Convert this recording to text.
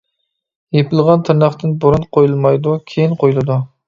يېپىلغان تىرناقتىن بۇرۇن قويۇلمايدۇ، كېيىن قويۇلىدۇ.